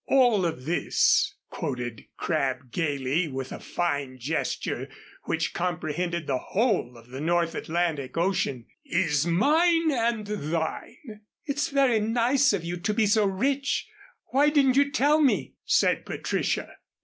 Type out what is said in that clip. "'All of this,'" quoted Crabb gayly, with a fine gesture which comprehended the whole of the North Atlantic Ocean, "'is mine and thine.'" "It's very nice of you to be so rich. Why didn't you tell me?" said Patricia.